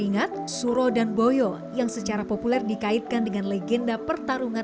ingat suro dan boyo yang secara populer dikaitkan dengan legenda pertarungan